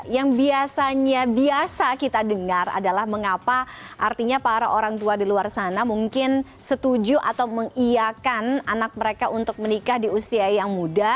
yang biasanya biasa kita dengar adalah mengapa artinya para orang tua di luar sana mungkin setuju atau mengiakan anak mereka untuk menikah di usia yang muda